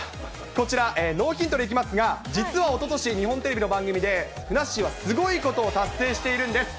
こちらノーヒントでいきますが、実はおととし、日本テレビの番組で、ふなっしーはすごいことを達成しているんです。